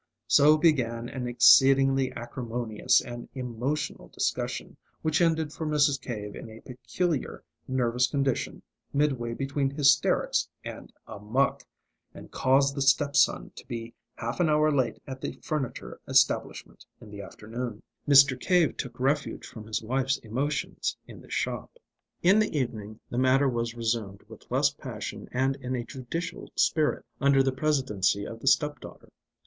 So began an exceedingly acrimonious and emotional discussion, which ended for Mrs. Cave in a peculiar nervous condition midway between hysterics and amuck, and caused the step son to be half an hour late at the furniture establishment in the afternoon. Mr. Cave took refuge from his wife's emotions in the shop. In the evening the matter was resumed, with less passion and in a judicial spirit, under the presidency of the step daughter.